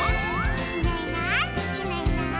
「いないいないいないいない」